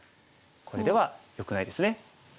これではよくないですね。